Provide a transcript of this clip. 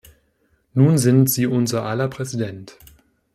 Nun sind Sie unser aller Präsident.